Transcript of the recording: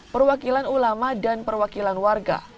perwakilan ulama dan perwakilan warga